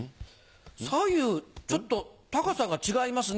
左右ちょっと高さが違いますね。